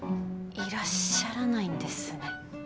いらっしゃらないんですね。